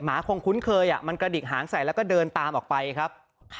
คงคุ้นเคยมันกระดิกหางใส่แล้วก็เดินตามออกไปครับ